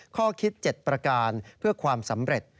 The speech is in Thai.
ข้อคิด๗ประการเพื่อความสำเร็จ